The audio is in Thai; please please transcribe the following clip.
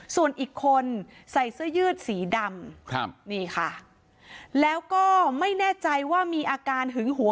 ส่วนอีกคนใส่เสื้อยืดสีดำครับนี่ค่ะแล้วก็ไม่แน่ใจว่ามีอาการหึงหัว